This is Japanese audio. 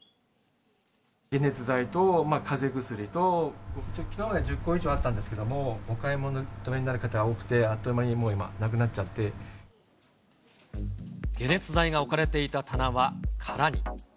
解熱剤と、かぜ薬と、きのうまで１０個以上あったんですけど、お買い求めになる方が多くて、あっという間にもう、解熱剤が置かれていた棚は空に。